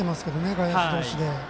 外野手同士で。